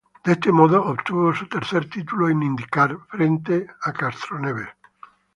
De este modo, obtuvo su tercer título en IndyCar frente a Castroneves.